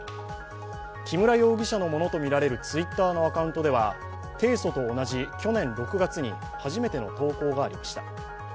木村容疑者のものとみられるＴｗｉｔｔｅｒのアカウントでは提訴と同じ去年６月に初めての投稿がありました。